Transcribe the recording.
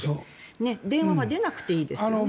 電話は出なくていいですよね。